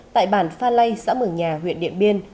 tại bản phan lây xã mửa nhà huyện điện biên